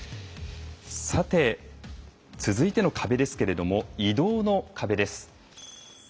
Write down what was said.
さて続いての壁ですけれども移動の壁です。